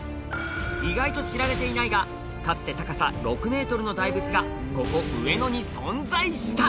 意外と知られていないがかつて高さ６ｍの大仏がここ上野に存在した！